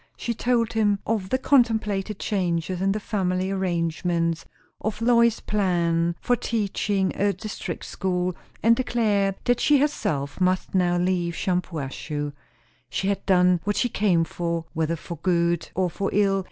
She told him of the contemplated changes in the family arrangements; of Lois's plan for teaching a district school; and declared that she herself must now leave Shampuashuh. She had done what she came for, whether for good or for ill.